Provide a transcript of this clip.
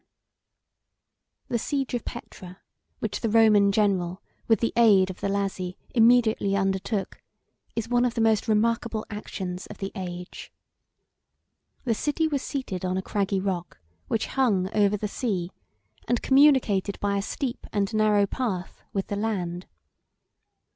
] The siege of Petra, which the Roman general, with the aid of the Lazi, immediately undertook, is one of the most remarkable actions of the age. The city was seated on a craggy rock, which hung over the sea, and communicated by a steep and narrow path with the land.